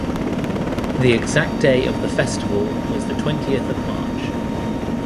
The exact day of the festival was the twentieth of March.